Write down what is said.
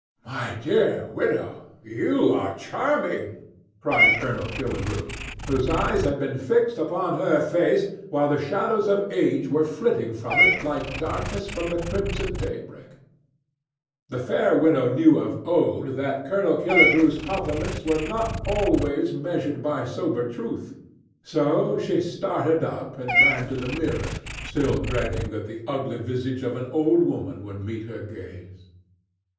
"My dear widow, you are charming!" cried Colonel Killigrew, whose eyes had been fixed upon her face while the shadows of age were flitting from it like darkness from the crimson daybreak. The fair widow knew of old that Colonel Killigrew's compliments were not always measured by sober truth; so she started up and ran to the mirror, still dreading that the ugly visage of an old woman would meet her gaze.